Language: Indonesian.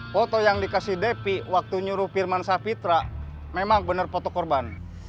foto yang dikasih depi waktu nyuruh firman sapitra memang benar foto korban